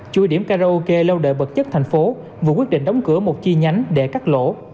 chu điểm karaoke lâu đời bật chất thành phố vừa quyết định đóng cửa một chi nhánh để cắt lỗ